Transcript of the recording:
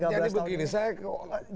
jadi begini saya bingung